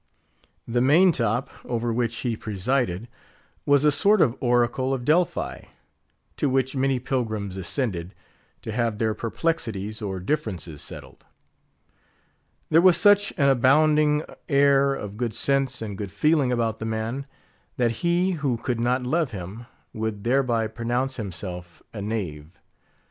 The main top, over which he presided, was a sort of oracle of Delphi; to which many pilgrims ascended, to have their perplexities or differences settled. There was such an abounding air of good sense and good feeling about the man, that he who could not love him, would thereby pronounce himself a knave.